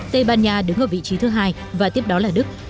tây ban nha đứng ở vị trí thứ hai và tiếp đó là đức